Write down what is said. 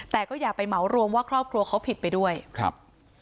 แต่ก็อย่าไปเหมารวมว่าครอบครัวเขาผิดไปด้วยครับ